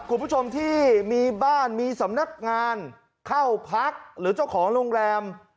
คุณผู้ชมที่มีบ้านมีสำนักงานเข้าพักหรือเจ้าของโรงแรม